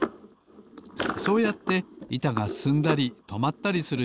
そうやっていたがすすんだりとまったりする